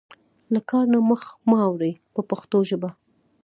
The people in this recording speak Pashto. له کار نه مخ مه اړوئ په پښتو ژبه.